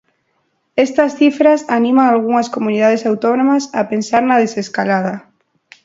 Estas cifras animan algunhas comunidades autónomas a pensar na desescalada.